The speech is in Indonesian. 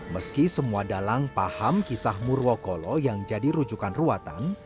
meski semua dalang paham kisah murwokolo yang jadi rujukan ruatan